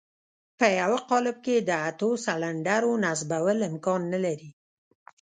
په يوه قالب کې د اتو سلنډرو نصبول امکان نه لري.